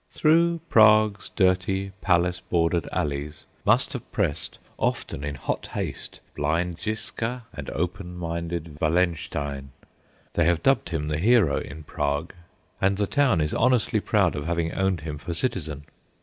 Through Prague's dirty, palace bordered alleys must have pressed often in hot haste blind Ziska and open minded Wallenstein they have dubbed him "The Hero" in Prague; and the town is honestly proud of having owned him for citizen.